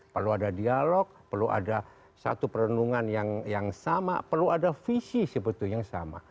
perlu ada dialog perlu ada satu perenungan yang sama perlu ada visi sebetulnya yang sama